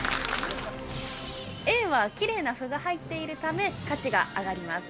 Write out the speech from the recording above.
Ａはキレイな斑が入っているため価値が上がります。